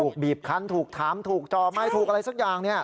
บีบคันถูกถามถูกจอไม่ถูกอะไรสักอย่าง